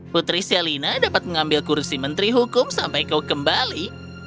putri selina dapat mengambil kursi menteri hukum sampai kau kembali